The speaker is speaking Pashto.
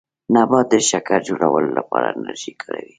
نبات د شکر جوړولو لپاره انرژي کاروي